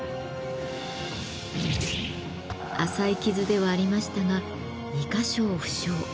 浅い傷ではありましたが２か所を負傷。